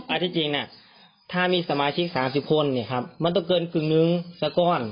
ที่จริงถ้ามีสมาชิก๓๐คนเนี่ยครับมันต้องเกินกึ่งหนึ่งสักก้อน